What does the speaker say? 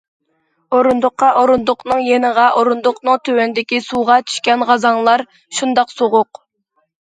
ئورۇندۇققا، ئورۇندۇقنىڭ يېنىغا، ئورۇندۇقنىڭ تۆۋىنىدىكى سۇغا چۈشكەن غازاڭلار شۇنداق سوغۇق.